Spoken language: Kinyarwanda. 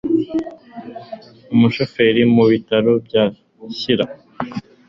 Umushoferi mu Bitaro bya Shyira